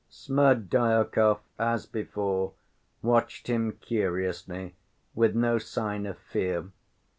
Smerdyakov, as before, watched him curiously, with no sign of fear.